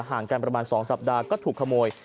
ห่างกันประมาณ๒สัปดาห์ก็ถูกขโมย